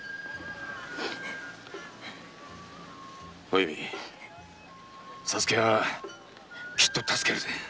おゆみ左助はきっと助けるぜ。